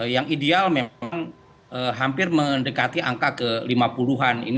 yang ideal memang hampir mendekati angka ke lima puluh an